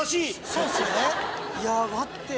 そうっすよねいや待って。